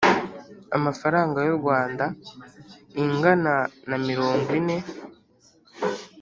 amafaranga y u Rwanda ingana na mirongo ine